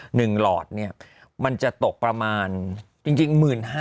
๑หลอดมันจะตกประมาณจริง๑๕๐๐๐